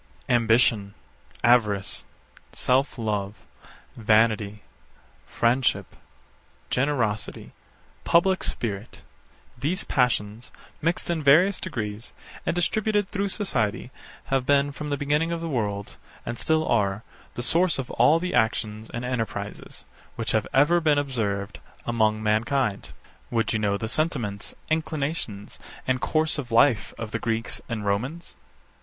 Ambition, avarice, self love, vanity, friendship, generosity, public spirit: these passions, mixed in various degrees, and distributed through society, have been, from the beginning of the world, and still are, the source of all the actions and enterprises, which have ever been observed among mankind. Would you know the sentiments, inclinations, and course of life of the Greeks and Romans?